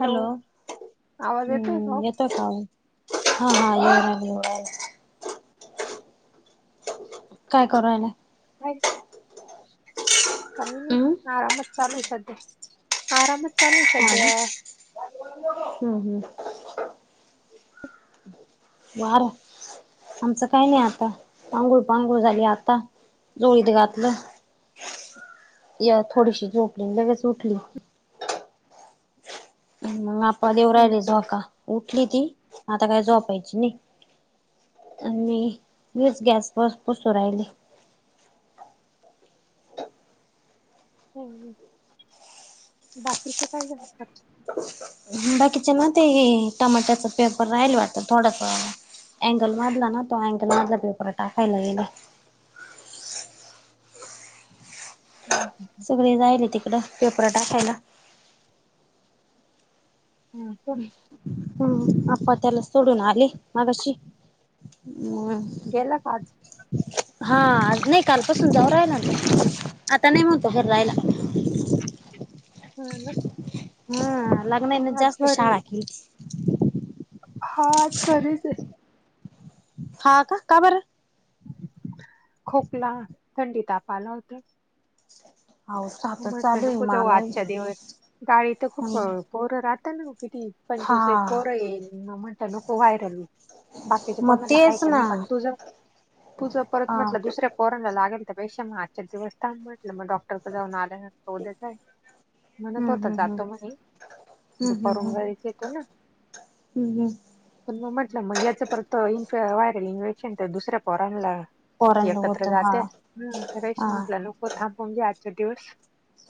Hello आवाज येतोय ओ? हम्म येतोय का आवाज हा हा येऊ राहिला येऊ राहिला काय करायलाय? नाही काही हम्म नाही आरामच चालू आहे सध्या आरामच चालू आहे सध्या हम् हम्म बार आमचं काही नाही आता आंगुळ पांगुळ झाली आता झोळीत घातलं या थोडीशी झोपली अन लगेच उठली मग आपा देऊ हम्म राहिले हम्म. झोका उठली ती आता काय झोपायची नाही आणि वच गॅस परं पुसू राहिली हो बाकीचे काय करतात? [inaudible] बाकीच्या ना ते टमाट्याचा पेपर राहिल वाटतं थोडंसं अँगल वाढला ना तो अँगल मधला पेपर टाकायला गेला हम् ह हे जायले तिकडं पेपर टाकायला हा का हम आप्पा त्याला सोडून आले मगाशी हम् गेला का आज हा आज नाही कालपासून जाऊ राहिला आता नाही म्हणतो घरी राहायला हा ना हा लग्नाने आज जास्त घरी शाळा केली हा आज घरीच आहे हा का? का बरं? खोकला, थंडी, ताप आला होता. हो सातच म्हटलं, चालू आहे नको जाऊ मला आजच्या दिवस [unintelligible] खूप हम्म पोरं राहत ना, किती? पंचवीस एक हा पोरं ये म म्हटलं, नको व्हायरल होइलं. बाकीच्या मग कोणाला आहे तेच का ना नाही, पण तुझ -तुझ परत हा म्हटलं दुसऱ्या पोरांना लागेल तर [unintelligible] आजच्या दिवस थांब म्हटलं मग डॉक्टर क जाऊन आल्यानंतर उद्या जाईल. म्हण तो हम्म आता हम्म हम्म जातो म्हणे, दुपारून घरीच येतो ना. ह ह पण मग म्हटलं, मग याचं परत इन्फ -व्हायरल इन्फेक्शन तर दुसऱ्या पोरांला ला पोरांना एकत्र होत हा जात्यात, तर [unintelligible] हा शी म्हटला नको थांबवून घेवू आजच्या दिवस.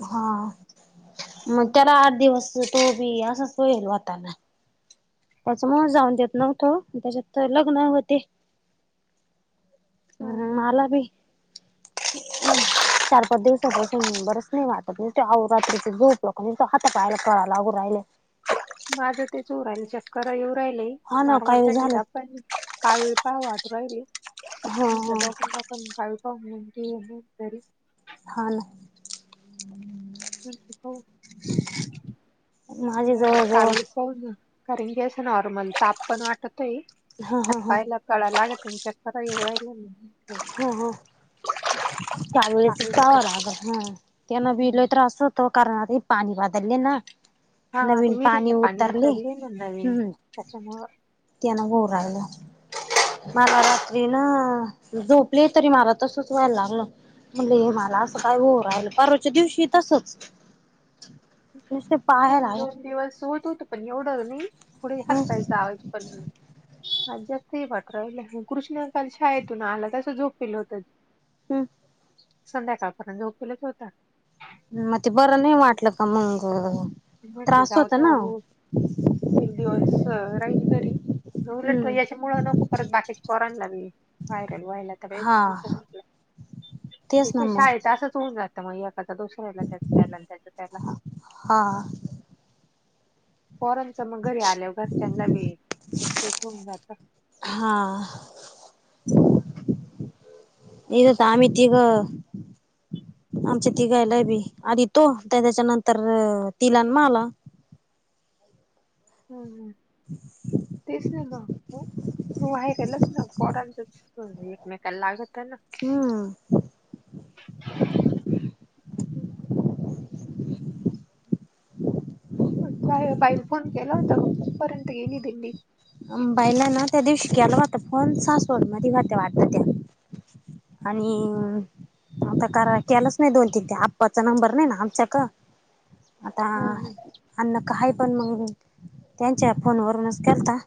हाआ मग त्याला आठ दिवस तो बी असंच होईल.. आता... त्याच्यामुळ जाऊन देत नव्हतो. त्याच्यात लग्न होते. अरं हम्म मला बी चार पाच दिवसांपासून बरंच नाही वाटत अहो रात्रीचं झोपलं की नुसतं हातापायाला कळा लागून राहिले. माझं तेच होऊ राहिलं चक्कर येऊ राहिल हा ना नॉर्मल काही थंडी, झालं ताप पण कावीळ पाहू वाटू राहिली म्हटलं हा हा [unintelligible] कावीळ हो माहिती आहे तरी प हा. ना. र माझे म जवळ जवळ कावेळ. होय ना करण कि असं नॉर्मल ताप पण वाटतोय हात पाय ला कला लागते. [unintelligible] हो हो चांगलेच. कावीळाच्या. ह त्यांन बी हम्म. लय त्रास होत. तो कारणाने पाणी बदलले ना. हा आता नवीन विहिरीला पाणी उतरले उतरल ना यावेळी त्याच्यामुळं त्याना हून राहिला. माला रात्री न झोपले तरी मला तसंच व्हायला लागलं. म्हणलं हे मला असं काय होऊ राहिलं, परवाच्या दिवशी ही तसंच. त्याना दोन दिवस होत होत पण एवढं नाही थोडे हात हम्म पाय चावायचे. पन्ह. आज जास्त हे वाटू राहील, कृष्णा काल शाळेतून आला तसं झोपिलं होतं. हम्म. संध्याकाळपर्यंत झोपेलच होता. मग ते बरं नाही आता वाटलं जेव्हा का मंग त्रास होतं ना ऐक दिवस राहीन घरी, उलट हम्म. याच्यामुळं ना बाकीच्या पोरांना व्हायरल व्हायला आता नको, हा [inaudible] ते तेच ना का मग शाळेत असंच होऊन जातं. त्या मग एकाचा दोष राहिला त्या त्याला आणि त्याच त्याला हा. पोरांनच मग घरी आल्यावर घरच्यांना बी तर तेच होऊन, जात. हा. इत तर आम्ही तिग आमच्या तिघायला बी आधी तो त्याच्या नंतर तिला अण मला हम् हम्. [inaudible] तेच ना मग व्हायरलच ना पोरांचच एकमेकाला लागतय ना हम बा बाईल फोन केला होता का? कुठपर्यंत गेली दिंडी? बायला ना त्या दिवशी केला वता फोन सासवड मधी होत्या वाटत त्या. आणि आता करा केलंच नाही, दोन तीन ते आप्पाचा नंबर नाही ना आमच्या क. आता हम्म, अण्णा का हाय, पण मग त्यांच्या फोनवरूनचं केलता.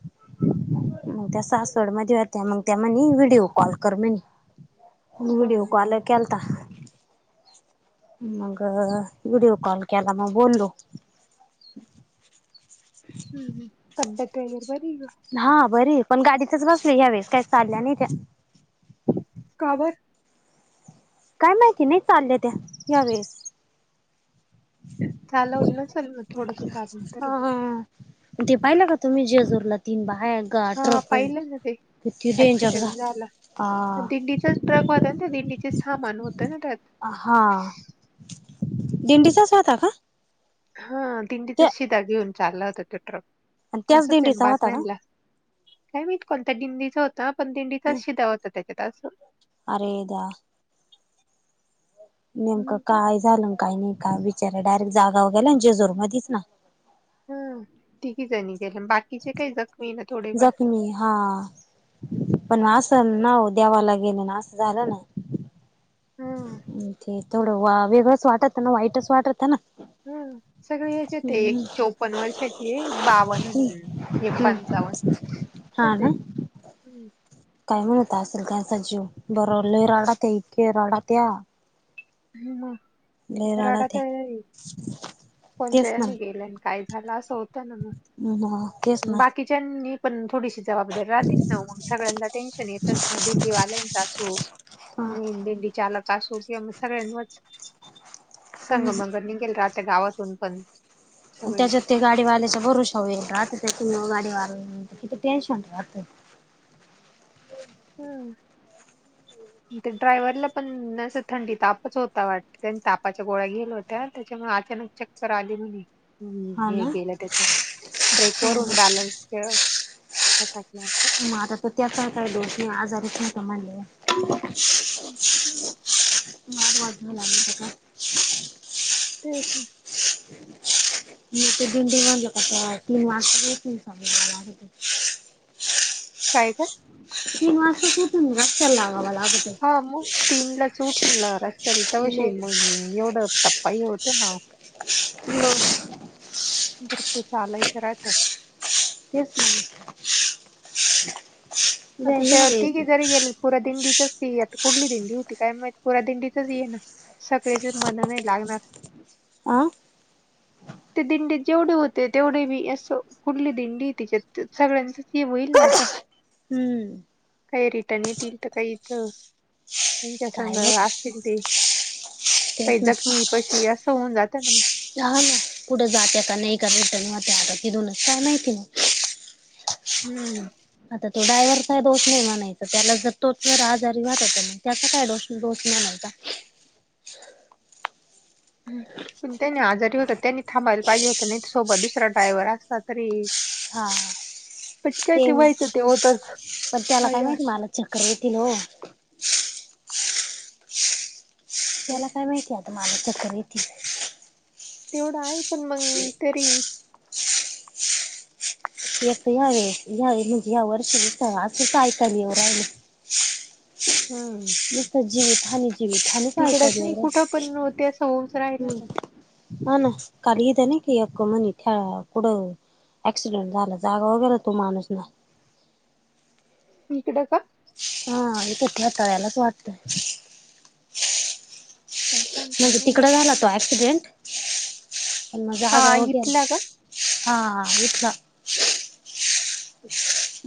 मग त्या सासवड मध्ये होत्या, मग त्या म्हणी व्हिडिओ कॉल कर म्ह हम्म, व्हीडीव कॉल केलता मग व्हिडिओ कॉल केला, मग बोललो. हम्मम तब्यात वगैरे बरी का? हा बरी पण गाडीतच बसले, ह्यावेळेस काही चालल्या नाही त्या. का बरं? काय माहिती नाही, चालल्या त्या यावेेळेस. चालवलं नसल मग थोडस चालून हा तर दे हा ते पाहिलं का तुम्ही, जेजूरला तीन बायान का हा ट्रक कन पाहिलं ना ते किती डेंजर ऍक्सिडेंट झालं. झाला आ दिंडीचाच ट्रक व्हता ते दिंडीचे सामान होतं ना त्यात. हा दिंडीचाच व्हता का? हा दींडीचाच त्या शिधा घेऊन चालला होता, तो ट्रक त्याच असचं आहे दिंडीचा होता का बातम्यानला. काय माहित कोणता दिंडीचा होता, पण दिंडीचा शिदा होता त्याच्यात अस. अरे! देवा. नेमकं हम्म, तर- काय झालं काही नाही, काय बीचऱ्या डायरेक्ट जागाव गेल्या जेजूर मधीच ना? ह तिघी जणी गेल्या, आण बाकीचे काही जखमी थोडेफार जखमी हा पण असं ना देवाला गेले ना असं झालं ना. हा ते थोडं वा वेगळंच वाटत ना, वाईटच वाटत ना. हम सगळे एक येत, एक हम्म चोपन्न वर्षाची आहे एक बावन. एक पंचावन्न. हा ना. हम. काय म्हणत असलं त्यांचा जीव बर लय रडतं इतके रडात्या. मग रडत्या [unintelligible] तेच कोणच्यानी गेला. काय झालं, असं होतं ना मग? मग तेच ना. त्यांनी पण थोडीशी जबाबदारी राहतीच. ना मग सगळ्यांना टेन्शन येतच ना, दिंडी वाल्यांचा असो ना दिंडी चालक असो किंवा मग सगळ्यांवच सांग मग निघेल, राहत्या गावातून पण सगळी त्याच्यात ते गाडीवाल्याच भरोश्यावर येल राहतं त्या क गाडीवाल्या किती टेन्शन राहतं. हम्म. हो. ते ड्रायव्हरला पणं असं थंडी तापच होता वाटत तापाच्या गोळ्या गेल्या होत्या त्याच्यामुळे अचानक च करे आली म्हणे. हम्म हा हे ना. गेलं त्याच्या ब्रेकवररून बॅलन्स ठ ह ट कलासं. मग आता तर त्याचा काय दोष नाही आजारीच नाही समजले हम्म. वाजव आता काय? लागका तेच ना. [unintelligible] मी ते दोन दिन बनलं कता तीन वा तीन साली काय ग. तवा अस त तुम च लागवाला हा मग तीन ला चूट होन रस््या रथवशी मग एवढं टप्पाही होतो ना हो भरपूर चालायच राहत क स आता ते तीघे घरी गेली पुरा दिनडिचर् त आता कुठली दिंडी होती कायग पुरा दिंडीतच येे ना सगळेच मन नाही लागणार आं ते दिंडी जेवढे होते तेवढे बी असं कुठली दिंडी तिच्यात सगळ्यांचच हे होईल ना आता हम्म काही रिटर्न येतील तर काहीथ त्यांच्या संग काय माहिती असतील ते तेच काही ना. जखमी पशी असं होऊन जाते ना ह ना कुठे जाते का नाही कात आता तिथोनच छानती ना हम्म आता तो ड्रायव्हर काय दो नाहीेमा नाहीयचा त्याला जर तोच आजारी वाहत त्याचा काय दोष बहुत मन लागत ह पण त्यांनी आजारी होत त्यांनी थांबायला पाहिजे होत नाही सोबत दुसरा ड्रायव्हर असता तरी हा. प काय ते व्हायचं तेवतच काय काय चक्र ये तनो ते त्याला काय माहितीय आता माझ्या चकर ये तेवढं आहे पण मग तरी यावे यावे म्हणजे या वर्षी सचच ऐकालीवरहिल हम म तर जीवित हनी विठाान काय तिकडच कर नाही वर कुठं पण ते असं होऊच राहिलं हम् ना हा ना कारद ना की अ म्हणी खेळा कडं ऍक्सिडेंट झाला जागा वगैरे तो माणूसला इकडं का हा हे तर ते आतााळ्यालाच वाटतय काय सांगता म्हणजे नाही तिकड येणार. झाला तो ऍक्सिडेंट पण मग हा जाग्यावर इथला गेला का हा इथला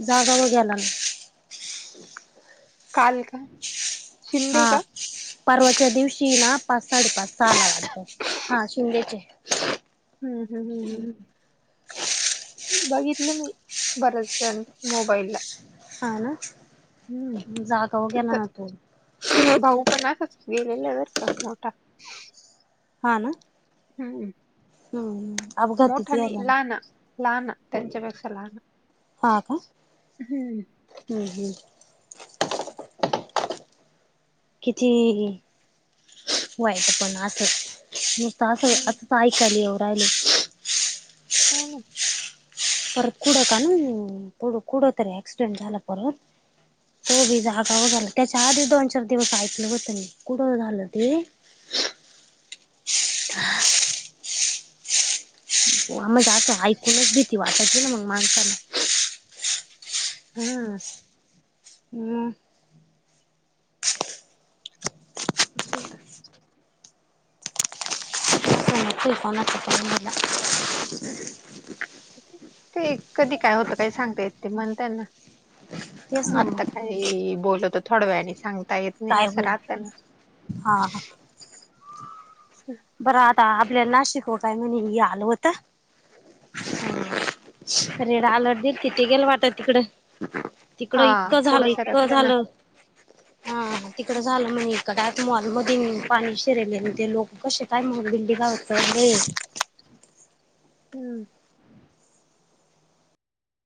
जाग्यावर गेलाना काल का शिंदे का हा परवाच्या दिवशी ना पाच साडेपाच सहाला वाटत हा शिंदेचे हम् हम हम्म हम बघितलं मी बरच मोबाईल ला हा ना जागा व गेला ना तो कोणासच गेलेल्या बर का मोठा. हा ना. हम्म हम्म मोठ अपघातीच नई यायला ना लान लहान, त्यांच्यापेक्षा लहान. हा का? हम्म हम्म. किती व्हायचं पण असं, नुसतं असं हम्म असं सायकल येऊ राहिले. हो ना. परत कुडं कन कुडं कुंडतरी ऍक्सिडेंट झालं परत. तोबी जागा व झाल त्याच्या आधी दोन चार दिवस ऐकलं होतं मी, कुठं झालं ते. [unintelligible] आ मज अस ऐकूनच भीती वाटायची ना मग माणसाना. हा. हम्म. [unintelligible] [unintelligible] ते कधी काय होतं काही सांगता येत नई म्हण त्यांना. तेच ना आत्ता मग काय ते बोलतो थोड्या वेळाने सांगता येत नाही काय असं होईल राहतं ना. हा हा. बरं आता आपल्या नाशिकव काय म्हने, हे आलं होतं. हम्म रेड अलर्ट दिलती, ते गेलं वाटत तिकडं. तिकड हा इतकं झालं पुढं इतक सरकलं ना झालं, हां तिकडं झालं म्हणे. काय ते मॉलमध्ये पाणी शिरेलेन ते लोकं, कसे काय दिंडी गावच [unintelligible] हम्म.